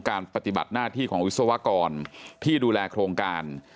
ปฏิบัติหน้าที่ของวิศวกรที่ดูแลโครงการ